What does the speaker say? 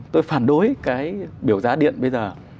tôi phản đối cái biểu giá điện bây giờ